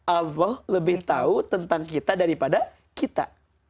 allah lebih tahu tentang kita daripada kita